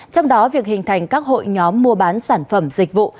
trong đó việc hình thành các hội nhóm mua bán sản phẩm dịch vụ